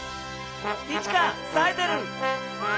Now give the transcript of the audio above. イチカさえてる！